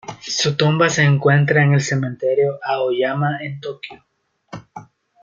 Su tumba se encuentra en el Cementerio Aoyama en Tokio.